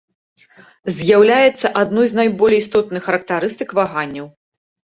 З'яўляецца адной з найболей істотных характарыстык ваганняў.